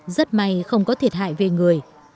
rất may không có thiệt hại về người